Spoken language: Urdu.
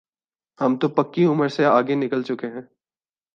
ہم تو پکی عمر سے آگے نکل چکے ہیں۔